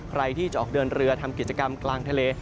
ใครที่จะออกเดินเรือทำกิจกรรมกลางทะเล